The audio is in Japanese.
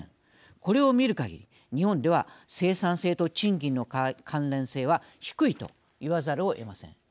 これを見るかぎり日本では生産性と賃金の関連性は低いと言わざるをえません。